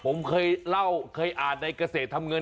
ผมเคยเล่าเคยอ่านในเกษตรทำเงิน